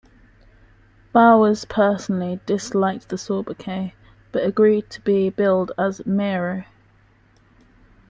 Bowers personally disliked the sobriquet, but agreed to be billed as "Mareo".